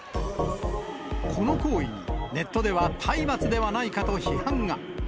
この行為に、ネットでは体罰ではないかと批判が。